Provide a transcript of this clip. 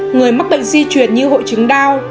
người mắc bệnh di chuyển như hội chứng đau